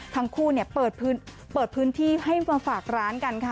ทั้งคู่เปิดพื้นที่ให้มาฝากร้านกันค่ะ